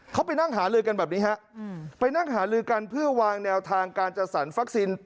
เขาไปนั่งหาลือกันแบบนี้ฮะไปนั่งหาลือกันเพื่อวางแนวทางการจัดสรรวัคซีน